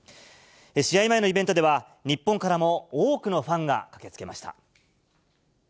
試合前のイベントでは、日本からも多くのファンが駆けつけました。